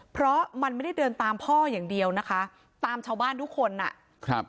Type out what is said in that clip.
เพราะมันไม่ได้เดินตามพ่ออย่างเดียวนะคะตามชาวบ้านทุกคนอ่ะครับ